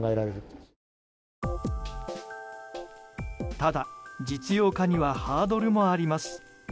ただ、実用化にはハードルもあります。